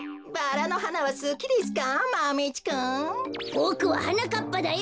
ボクははなかっぱだよ。